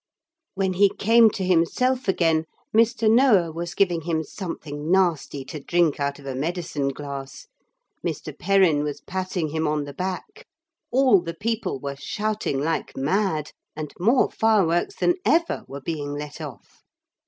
....... When he came to himself again, Mr. Noah was giving him something nasty to drink out of a medicine glass, Mr. Perrin was patting him on the back, all the people were shouting like mad, and more fireworks than ever were being let off.